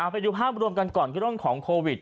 ไปดูภาพรวมกันก่อนของโควิด